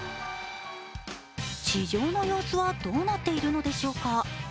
地上の様子はどうなっているのでしょうか。